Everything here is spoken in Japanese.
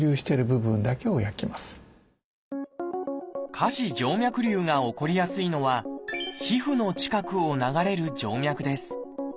下肢静脈りゅうが起こりやすいのは皮膚の近くを流れる静脈です。